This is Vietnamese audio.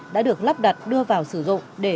đã được lắp đặt đưa vào sử dụng để